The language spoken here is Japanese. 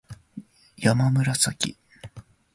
やまむらさき